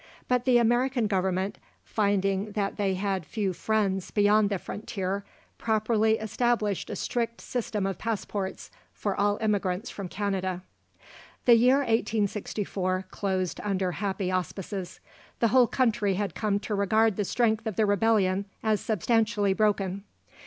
But the American Government, finding that they had few friends beyond the frontier, properly established a strict system of passports for all immigrants from Canada. The year 1864 closed under happy auspices. "The whole country had come to regard the strength of the rebellion as substantially broken."